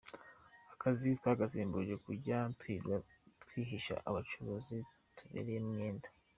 Akazi twagasimbuje kujya twirirwa twihisha abacuruzi tubereyemo imyenda.